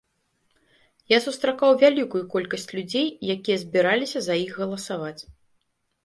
Я сустракаў вялікую колькасць людзей, якія збіраліся за іх галасаваць.